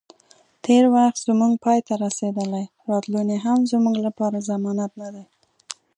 تیر وخت زمونږ پای ته رسیدلی، راتلونی هم زموږ لپاره ضمانت نه دی